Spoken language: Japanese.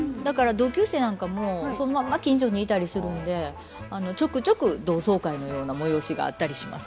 同級生なんかもそのまんま近所にいたりするんでちょくちょく同窓会のような催しがあったりします。